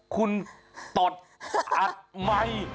คุณตอดอัดใหม่